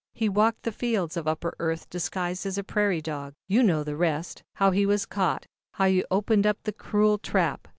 He walked the fields of Upper Earth disguised as a prairie dog. "You know the rest, how he was caught, how you opened the cruel trap.